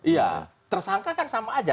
iya tersangka kan sama aja